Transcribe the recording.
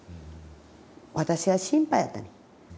私が心配やったねん。